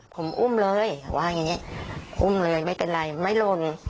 ผมอุ้มเลยว่าอย่างนี้อุ้มเลยไม่เป็นไรไม่หล่น